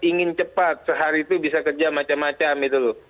ingin cepat sehari itu bisa kerja macam macam